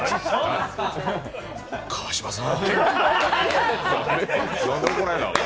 川島さん！